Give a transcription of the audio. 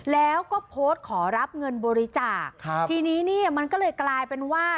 แล้วก็โพสต์ขอรับเงินบริจาคครับทีนี้เนี่ยมันก็เลยกลายเป็นว่า